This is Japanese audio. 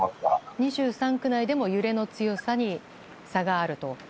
２３区内でも揺れの強さに差があると。